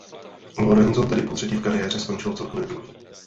Lorenzo tedy potřetí v kariéře skončil celkově druhý.